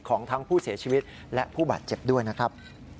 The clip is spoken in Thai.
ของทั้งผู้เสียชีวิตและผู้บาดเจ็บด้วยนะครับ